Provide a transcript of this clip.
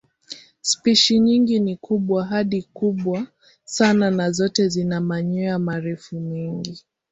Spishi nyingi ni kubwa hadi kubwa sana na zote zina manyoya marefu mengi.